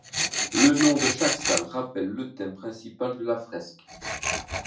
Le nom de chaque salle rappelle le thème principal de la fresque.